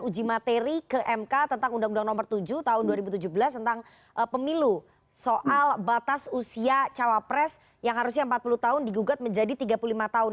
uji materi ke mk tentang undang undang nomor tujuh tahun dua ribu tujuh belas tentang pemilu soal batas usia cawapres yang harusnya empat puluh tahun digugat menjadi tiga puluh lima tahun